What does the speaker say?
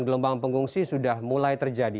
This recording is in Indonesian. gelombang pengungsi sudah mulai terjadi